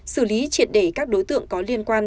xử lý triệt để các đối tượng có liên quan